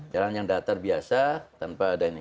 jalan yang datar biasa tanpa ada ini